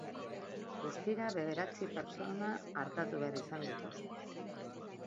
Guztira bederatzi pertsona artatu behar izan dituzte.